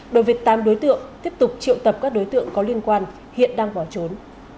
đối với tám đối tượng tiếp tục triệu tập các đối tượng có liên quan hiện đang bỏ trốn